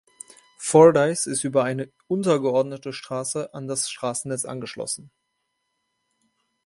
Fordyce ist über eine untergeordnete Straße an das Straßennetz angeschlossen.